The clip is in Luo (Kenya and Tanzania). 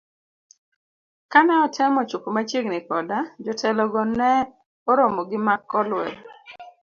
kane otemo chopo machiegni koda jotelo go ne oromo gi mak olwer.